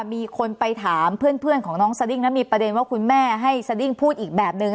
มีคนไปถามเพื่อนของน้องสดิ้งแล้วมีประเด็นว่าคุณแม่ให้สดิ้งพูดอีกแบบนึง